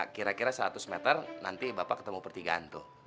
kira kira seratus meter nanti bapak ketemu pertigaan tuh